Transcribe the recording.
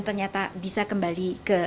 ternyata bisa kembali ke